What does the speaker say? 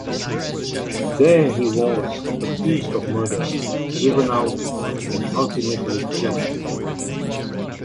There, he was accused of murder, driven out and ultimately killed.